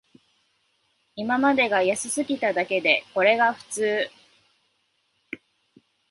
今までが安すぎただけで、これが普通